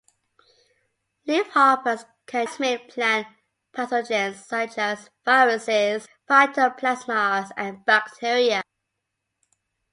Leafhoppers can transmit plant pathogens, such as viruses, phytoplasmas and bacteria.